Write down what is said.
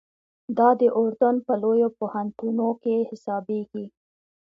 دا د اردن په لویو پوهنتونو کې حسابېږي.